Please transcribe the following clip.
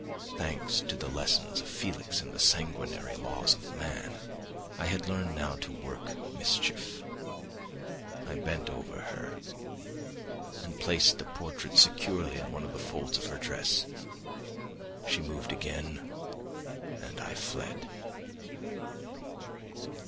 Thanks to the lessons of Felix and the sanguinary laws of man, I had learned now to work mischief. I bent over her and placed the portrait securely in one of the folds of her dress. She moved again, and I fled.